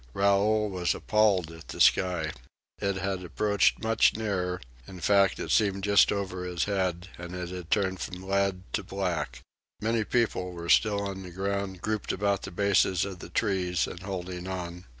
Raoul was appalled at the sky. It had approached much nearer in fact, it seemed just over his head; and it had turned from lead to black. Many people were still on the ground grouped about the bases of the trees and holding on.